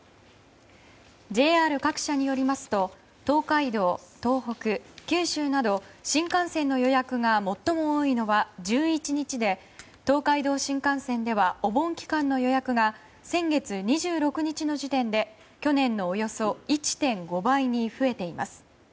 ＪＲ各社によりますと東海道、東北、九州など新幹線の予約が最も多いのは１１日で東海道新幹線ではお盆期間の予約が先月２６日の時点で、去年のおよそ１．５倍に増えています。